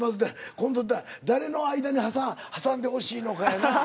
今度誰の間に挟んでほしいのかやな。